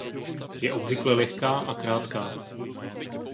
Je obvykle lehká a krátká.